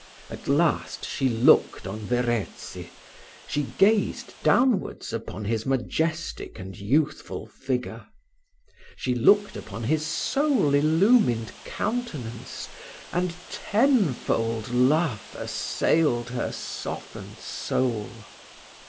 At last she looked on Verezzi; she gazed downwards upon his majestic and youthful figure; she looked upon his soul illumined countenance, and tenfold love assailed her softened soul.